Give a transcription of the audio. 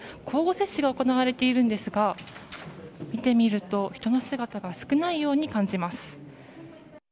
交互接種が行われているんですが見てみると、人の姿が少ないように感じます。